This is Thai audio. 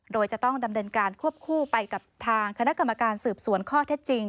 โดยจะต้องดำเนินการควบคู่ไปกับทางคณะกรรมการสืบสวนข้อเท็จจริง